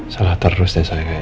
salah terus deh sayangnya